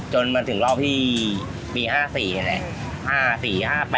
จนมาถึงรอบที่ปี๕๔ไง